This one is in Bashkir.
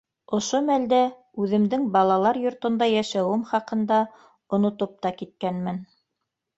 Ошо мәлдә үҙемдең балалар йортонда йәшәүем хаҡында онотоп та киткәнмен.